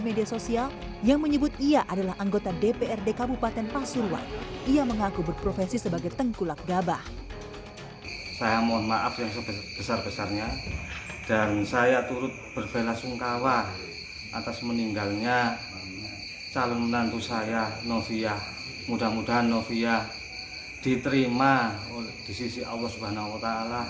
mudah mudahan novia diterima di sisi allah swt